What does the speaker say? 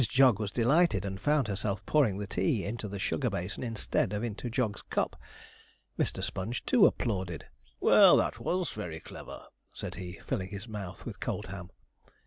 Jog was delighted, and found herself pouring the tea into the sugar basin instead of into Jog's cup. Mr. Sponge, too, applauded. 'Well, that was very clever,' said he, filling his mouth with cold ham.